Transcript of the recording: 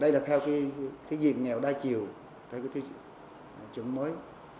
đây là theo cái diện nghèo đa chiều theo cái thiết chứng mới